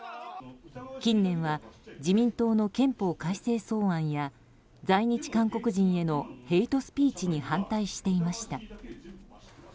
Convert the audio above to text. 近年は、自民党の憲法改正草案や在日韓国人へのヘイトスピーチに反対していました。